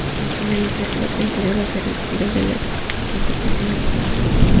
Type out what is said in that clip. Al finalizar la temporada se retiró de la competición activa.